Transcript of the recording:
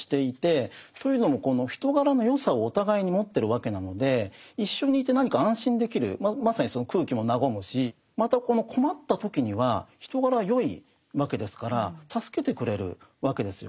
というのもこの人柄の善さをお互いに持ってるわけなので一緒にいて何か安心できるまさにその空気も和むしまたこの困った時には人柄は善いわけですから助けてくれるわけですよね。